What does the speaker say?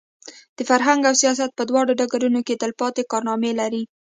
د فرهنګ او سیاست په دواړو ډګرونو کې تلپاتې کارنامې لري.